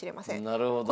なるほど。